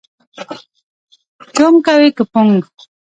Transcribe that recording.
چونګ کوې که پونګ؟